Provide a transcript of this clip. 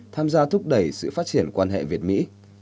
tham gia thúc đẩy sự phát triển quan hệ việt mỹ